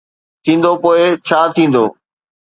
ٿيندو، پوءِ ڇا ٿيندو؟